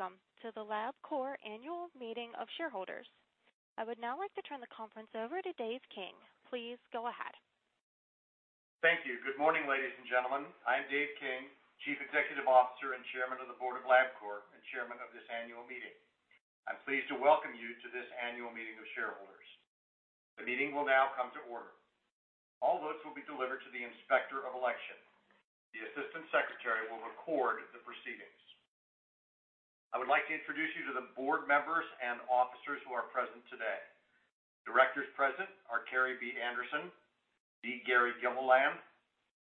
Welcome to the Labcorp annual meeting of shareholders. I would now like to turn the conference over to Dave King. Please go ahead. Thank you. Good morning, ladies and gentlemen. I'm Dave King, Chief Executive Officer and Chairman of the Board of Labcorp, and chairman of this annual meeting. I'm pleased to welcome you to this annual meeting of shareholders. The meeting will now come to order. All votes will be delivered to the Inspector of Election. The Assistant Secretary will record the proceedings. I would like to introduce you to the board members and officers who are present today. Directors present are Kerrii B. Anderson, D. Gary Gilliland,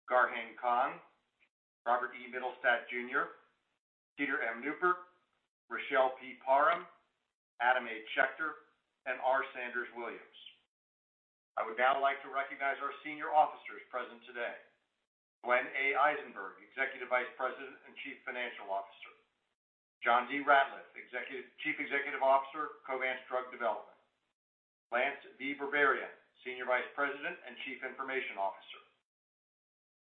Garheng Kong, Robert E. Mittelstaedt Jr., Peter M. Neupert, Richelle P. Parham, Adam H. Schechter, and R. Sanders Williams. I would now like to recognize our senior officers present today. Glenn A. Eisenberg, Executive Vice President and Chief Financial Officer. John D. Ratliff, Chief Executive Officer, Covance Drug Development. Lance V. Berberian, Senior Vice President and Chief Information Officer.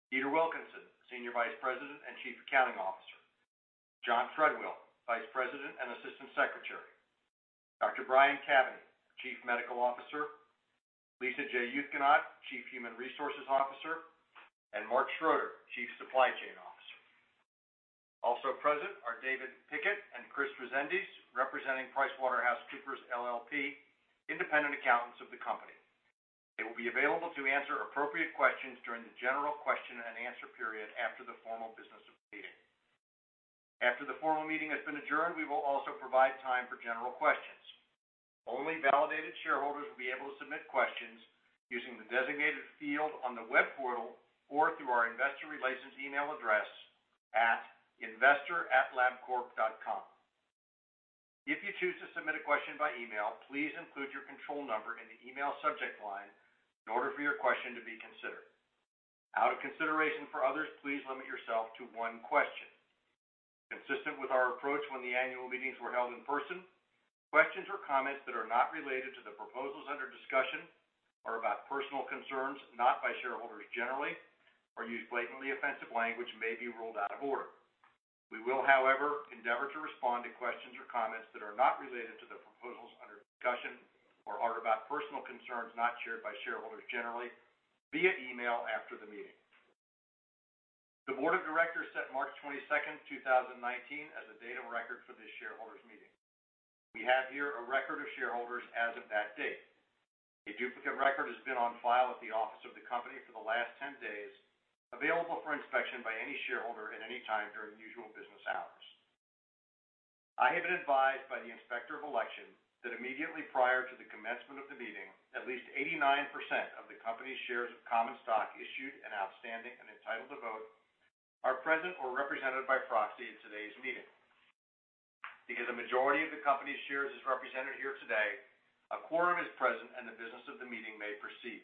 Peter Wilkinson, Senior Vice President and Chief Accounting Officer. John Treadwell, Vice President and Assistant Secretary. Dr. Brian Caveney, Chief Medical Officer. Lisa J. Uthgenannt, Chief Human Resources Officer, and Mark Schroeder, Chief Supply Chain Officer. Also present are David Pickett and Chris Rezendes, representing PricewaterhouseCoopers LLP, independent accountants of the company. They will be available to answer appropriate questions during the general question and answer period after the formal business of the meeting. After the formal meeting has been adjourned, we will also provide time for general questions. Only validated shareholders will be able to submit questions using the designated field on the web portal or through our investor relations email address at investor@labcorp.com. If you choose to submit a question by email, please include your control number in the email subject line in order for your question to be considered. Out of consideration for others, please limit yourself to one question. Consistent with our approach when the annual meetings were held in person, questions or comments that are not related to the proposals under discussion, are about personal concerns not by shareholders generally, or use blatantly offensive language may be ruled out of order. We will, however, endeavor to respond to questions or comments that are not related to the proposals under discussion or are about personal concerns not shared by shareholders generally via email after the meeting. The Board of Directors set March 22nd, 2019, as the date of record for this shareholders' meeting. We have here a record of shareholders as of that date. A duplicate record has been on file at the office of the company for the last ten days, available for inspection by any shareholder at any time during usual business hours. I have been advised by the Inspector of Election that immediately prior to the commencement of the meeting, at least 89% of the company's shares of common stock issued and outstanding and entitled to vote are present or represented by proxy at today's meeting. Because a majority of the company's shares is represented here today, a quorum is present, and the business of the meeting may proceed.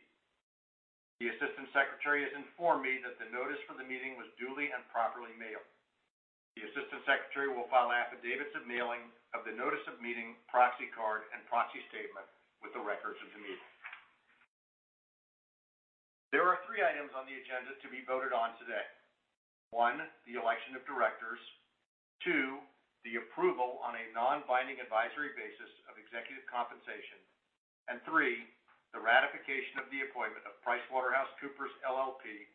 The Assistant Secretary has informed me that the notice for the meeting was duly and properly mailed. The Assistant Secretary will file affidavits of mailing of the notice of meeting, proxy card, and proxy statement with the records of the meeting. There are three items on the agenda to be voted on today. One, the election of directors. Two, the approval on a non-binding advisory basis of executive compensation. Three, the ratification of the appointment of PricewaterhouseCoopers LLP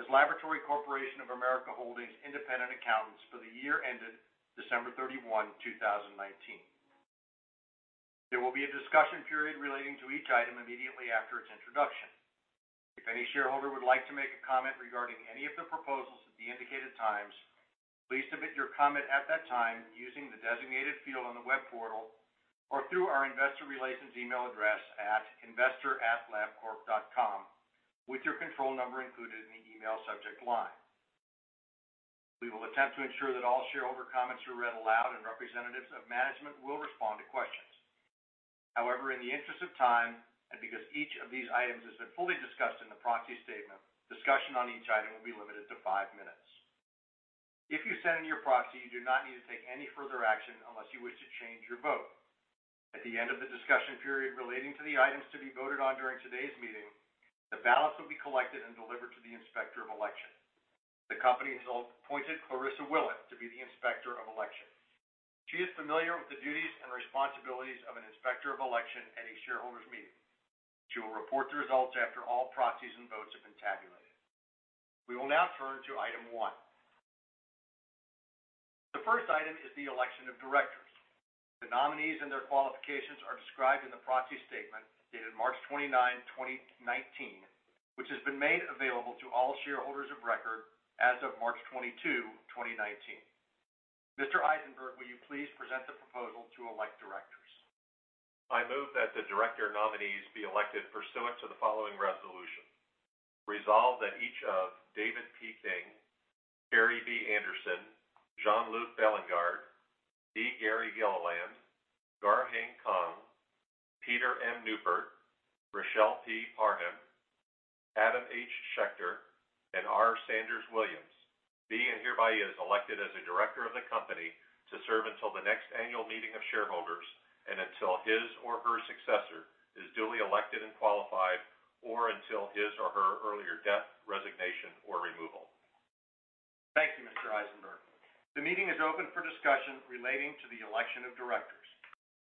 as Laboratory Corporation of America Holdings' independent accountants for the year ended December 31, 2019. There will be a discussion period relating to each item immediately after its introduction. If any shareholder would like to make a comment regarding any of the proposals at the indicated times, please submit your comment at that time using the designated field on the web portal or through our investor@labcorp.com with your control number included in the email subject line. We will attempt to ensure that all shareholder comments are read aloud and representatives of management will respond to questions. However, in the interest of time, and because each of these items has been fully discussed in the proxy statement, discussion on each item will be limited to five minutes. If you send in your proxy, you do not need to take any further action unless you wish to change your vote. At the end of the discussion period relating to the items to be voted on during today's meeting, the ballots will be collected and delivered to the Inspector of Election. The company has appointed Clarissa Willett to be the Inspector of Election. She is familiar with the duties and responsibilities of an Inspector of Election at a shareholders' meeting. She will report the results after all proxies and votes have been tabulated. We will now turn to item one. The first item is the election of directors. The nominees and their qualifications are described in the proxy statement dated March 29, 2019, which has been made available to all shareholders of record as of March 22, 2019. Mr. Eisenberg, will you please present the proposal to elect directors? I move that the director nominees be elected pursuant to the following resolution. Resolve that each of David P. King, Kerrii B. Anderson, Jean-Luc Bélingard, D. Gary Gilliland, Garheng Kong, Peter M. Neupert, Richelle P. Parham, Adam H. Schechter, and R. Sanders Williams be and hereby is elected as a director of the company to serve until the next annual meeting of shareholders and until his or her successor is duly elected and qualified, or until his or her earlier death, resignation, or removal Thank you, Mr. Eisenberg. The meeting is open for discussion relating to the election of directors.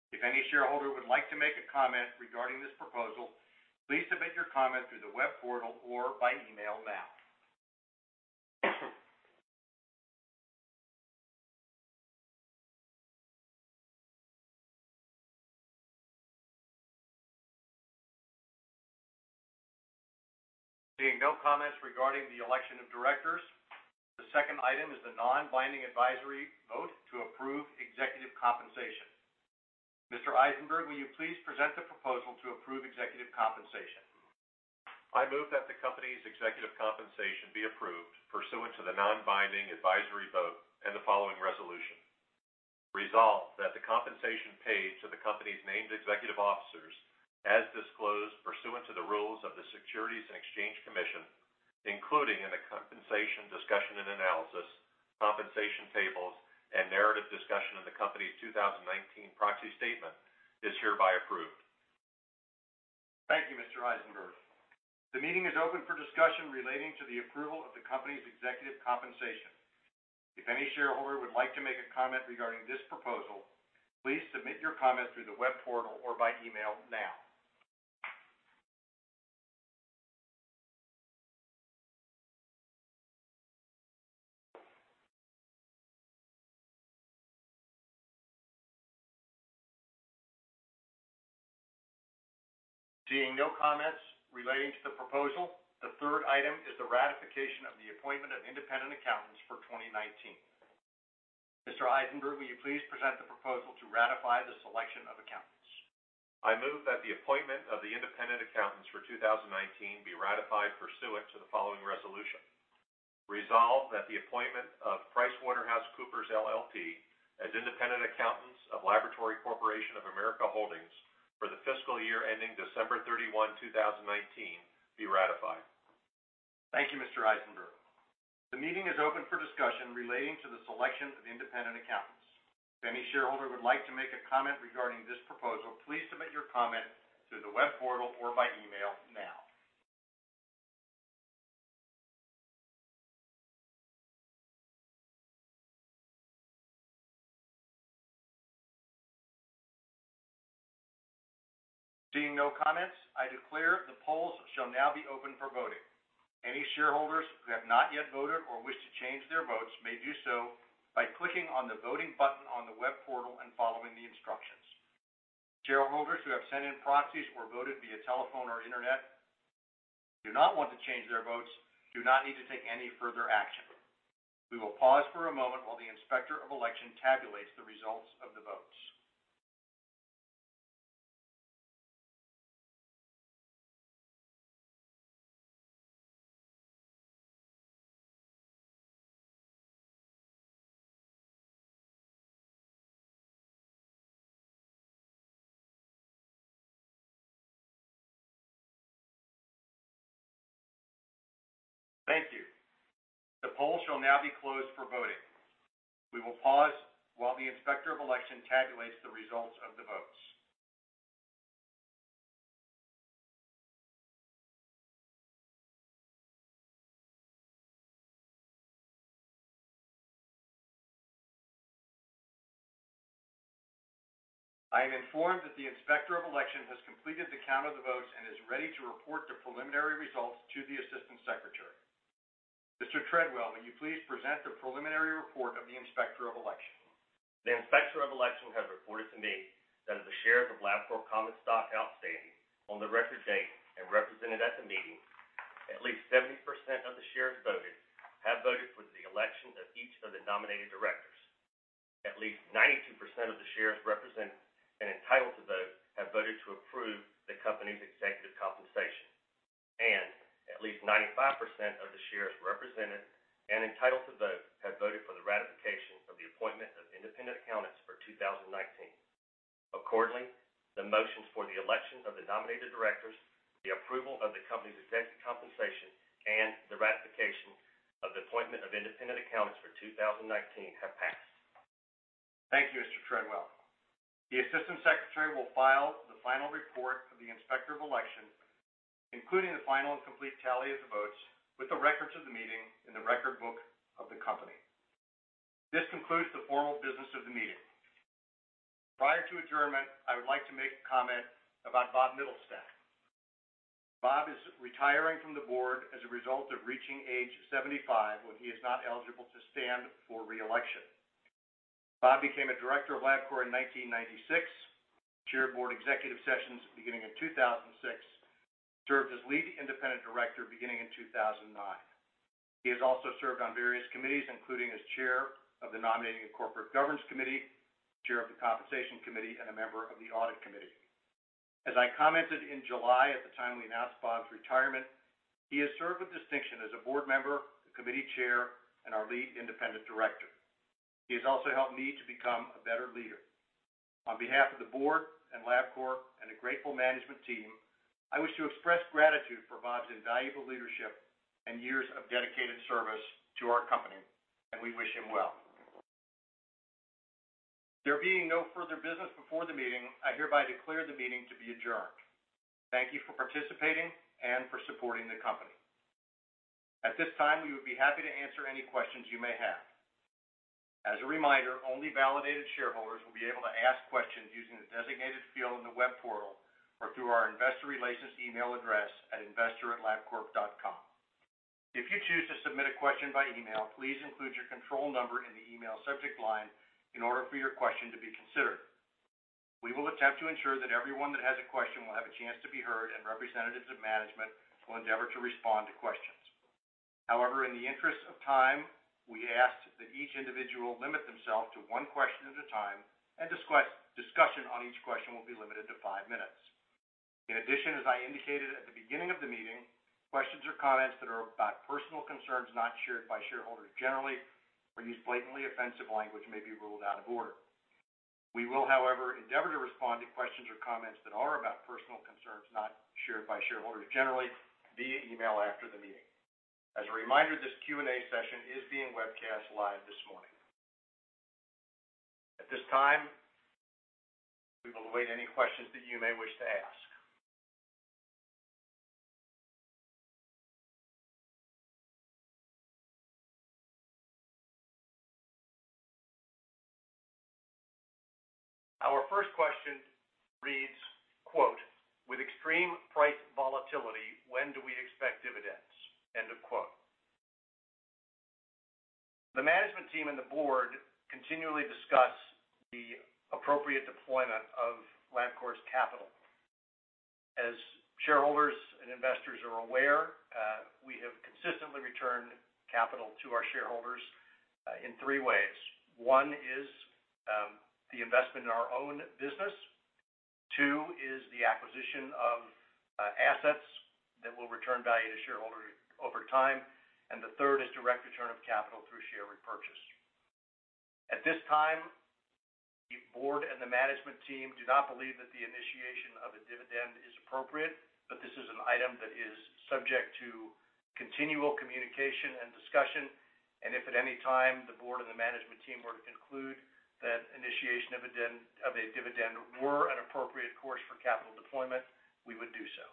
If any shareholder would like to make a comment regarding this proposal, please submit your comment through the web portal or by email now. Seeing no comments regarding the election of directors. The second item is the non-binding advisory vote to approve executive compensation. Mr. Eisenberg, will you please present the proposal to approve executive compensation? I move that the company's executive compensation be approved pursuant to the non-binding advisory vote and the following resolution. Resolved, that the compensation paid to the company's named executive officers, as disclosed pursuant to the rules of the Securities and Exchange Commission, including in the compensation discussion and analysis, compensation tables, and narrative discussion in the Company's 2019 proxy statement, is hereby approved. Thank you, Mr. Eisenberg. The meeting is open for discussion relating to the approval of the company's executive compensation. If any shareholder would like to make a comment regarding this proposal, please submit your comment through the web portal or by email now. Seeing no comments relating to the proposal. The third item is the ratification of the appointment of independent accountants for 2019. Mr. Eisenberg, will you please present the proposal to ratify the selection of accountants? I move that the appointment of the independent accountants for 2019 be ratified pursuant to the following resolution. Resolved, that the appointment of PricewaterhouseCoopers LLP as independent accountants of Laboratory Corporation of America Holdings for the fiscal year ending December 31, 2019, be ratified. Thank you, Mr. Eisenberg. The meeting is open for discussion relating to the selection of independent accountants. If any shareholder would like to make a comment regarding this proposal, please submit your comment through the web portal or by email now. Seeing no comments, I declare the polls shall now be open for voting. Any shareholders who have not yet voted or wish to change their votes may do so by clicking on the Voting button on the web portal and following the instructions. Shareholders who have sent in proxies or voted via telephone or internet, do not want to change their votes, do not need to take any further action. We will pause for a moment while the Inspector of Election tabulates the results of the votes. Thank you. The polls shall now be closed for voting. We will pause while the Inspector of Election tabulates the results of the votes. I am informed that the Inspector of Election has completed the count of the votes and is ready to report the preliminary results to the Assistant Secretary. Mr. Treadwell, will you please present the preliminary report of the Inspector of Election? The Inspector of Election has reported to me that of the shares of Labcorp common stock outstanding on the record date and represented at the meeting, at least 70% of the shares voted have voted for the election of each of the nominated directors. At least 92% of the shares represented and entitled to vote have voted to approve the company's executive compensation. At least 95% of the shares represented and entitled to vote have voted for the ratification of the appointment of independent accountants for 2019. The motions for the election of the nominated directors, the approval of the company's executive compensation, and the ratification of the appointment of independent accountants for 2019 have passed. Thank you, Mr. Treadwell. The Assistant Secretary will file the final report of the Inspector of Election, including the final and complete tally of the votes, with the records of the meeting in the record book of the company. This concludes the formal business of the meeting. Prior to adjournment, I would like to make a comment about Robert Mittelstaedt. Bob is retiring from the board as a result of reaching age 75, when he is not eligible to stand for re-election. Bob became a director of Labcorp in 1996, chaired board executive sessions at the beginning of 2006, served as Lead Independent Director beginning in 2009. He has also served on various committees, including as Chair of the Nominating and Corporate Governance Committee, Chair of the Compensation Committee, and a member of the Audit Committee. As I commented in July at the time we announced Bob's retirement, he has served with distinction as a board member, the committee chair, and our Lead Independent Director. He has also helped me to become a better leader. On behalf of the board and Labcorp and a grateful management team, I wish to express gratitude for Bob's invaluable leadership and years of dedicated service to our company, and we wish him well. There being no further business before the meeting, I hereby declare the meeting to be adjourned. Thank you for participating and for supporting the company. At this time, we would be happy to answer any questions you may have. As a reminder, only validated shareholders will be able to ask questions using the designated field in the web portal or through our investor relations email address at investor@labcorp.com. If you choose to submit a question by email, please include your control number in the email subject line in order for your question to be considered. We will attempt to ensure that everyone that has a question will have a chance to be heard, and representatives of management will endeavor to respond to questions. However, in the interest of time, we ask that each individual limit themselves to one question at a time, and discussion on each question will be limited to five minutes. In addition, as I indicated at the beginning of the meeting, questions or comments that are about personal concerns not shared by shareholders generally or use blatantly offensive language may be ruled out of order. We will, however, endeavor to respond to questions or comments that are about personal concerns not shared by shareholders generally via email after the meeting. As a reminder, this Q&A session is being webcast live this morning. At this time, we will await any questions that you may wish to ask. Our first question reads, quote, "With extreme price volatility, when do we expect dividends?" End of quote. The management team and the board continually discuss the appropriate deployment of Labcorp's capital. As shareholders and investors are aware, we have consistently returned capital to our shareholders in three ways. One is the investment in our own business, two is the acquisition of assets that will return value to shareholders over time, and the third is direct return of capital through share repurchase. At this time, the board and the management team do not believe that the initiation of a dividend is appropriate. This is an item that is subject to continual communication and discussion, if at any time the board and the management team were to conclude that initiation of a dividend were an appropriate course for capital deployment, we would do so.